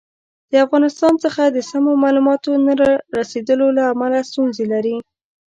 د افغانستان څخه د سمو معلوماتو نه رسېدلو له امله ستونزې لري.